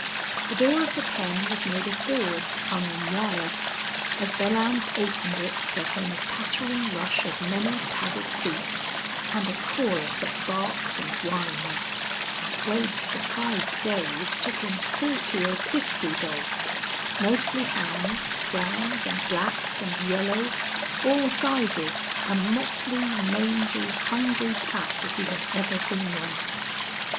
The door of the pen was made of boards hung on wire. As Belllounds opened it there came a pattering rush of many padded feet, and a chorus of barks and whines. Wade's surprised gaze took in forty or fifty dogs, mostly hounds, browns and blacks and yellows, all sizes a motley, mangy, hungry pack, if he had ever seen one.